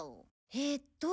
えーっと。